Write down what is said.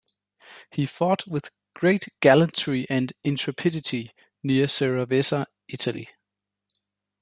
He fought with great gallantry and intrepidity near Seravezza, Italy.